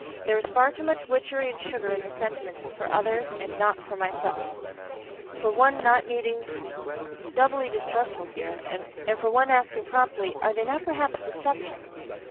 There is far too much witchery and sugar in the sentiments "for others" and "NOT for myself," for one not needing to be doubly distrustful here, and for one asking promptly: "Are they not perhaps DECEPTIONS?"